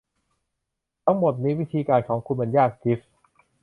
ทั้งหมดนี้ วิธีการของคุณมันยาก จีฟ